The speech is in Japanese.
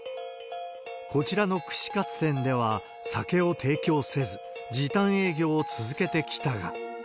こちらの串カツ店では酒を提供せず、時短営業を続けてきたが。